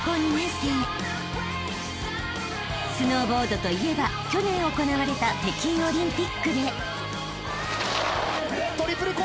［スノーボードといえば去年行われた北京オリンピックで］